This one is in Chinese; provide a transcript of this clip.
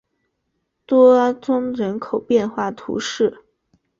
多阿宗人口变化图示